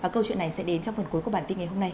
chuyên gia sẽ đến trong phần cuối của bản tin ngày hôm nay